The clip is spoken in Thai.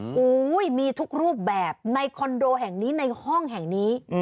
โอ้โหมีทุกรูปแบบในคอนโดแห่งนี้ในห้องแห่งนี้